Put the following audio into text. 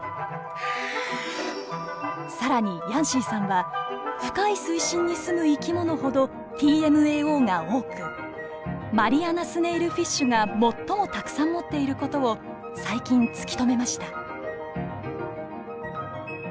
更にヤンシーさんは深い水深に住む生き物ほどＴＭＡＯが多くマリアナスネイルフィッシュが最もたくさん持っている事を最近突き止めました。